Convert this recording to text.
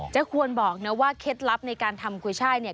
จะควรบอกนะว่าเคล็ดลับในการทำกุยไช่